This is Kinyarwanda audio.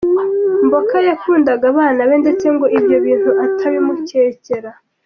Mboka yakundaga abana be ndetse ngo ibyo bintu atabimukekera.